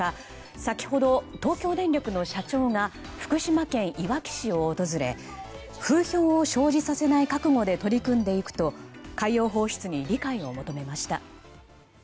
先ほど東京電力の社長が福島県いわき市を訪れ風評を生じさせない覚悟で取り組んでいくと海洋放出に理解を求めました。